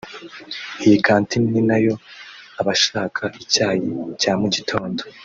Iyi kantine ni na yo abashaka icyayi cya mu gitondo